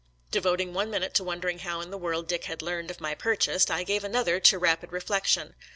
Devoting one minute to won dering how in the world Dick had learned of my purchase, I gave another to rapid reflection.